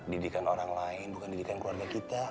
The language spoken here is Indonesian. didikan orang lain bukan didikan keluarga kita